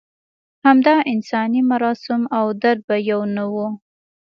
همدا انساني مراسم او درد به یو نه و.